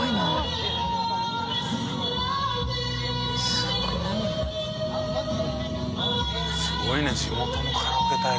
すごいね地元のカラオケ大会で。